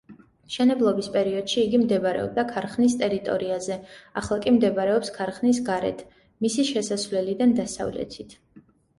მშენებლობის პერიოდში იგი მდებარეობდა ქარხნის ტერიტორიაზე, ახლა კი მდებარეობს ქარხნის გარეთ, მისი შესასვლელიდან დასავლეთით.